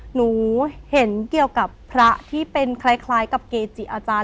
หนูเห็นเกี่ยวกับพระที่เป็นคล้ายกับเกจิอาจารย์